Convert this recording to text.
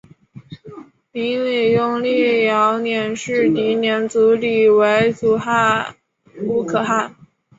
泥礼拥立遥辇氏迪辇组里为阻午可汗。